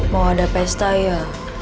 mau ada pesta ya